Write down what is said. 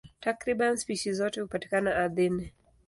Takriban spishi zote hupatikana ardhini.